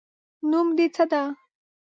نوم دې څه ده؟